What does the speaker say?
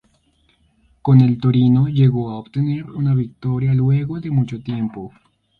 Con el Torino llegó a obtener una victoria luego de mucho tiempo.